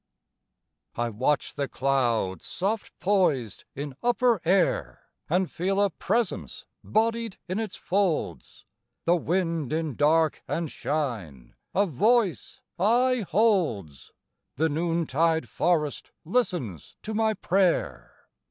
I watch the cloud soft poised in upper air And feel a presence bodied in its folds, The wind in dark and shine a voice aye holds, The noontide forest listens to my prayer.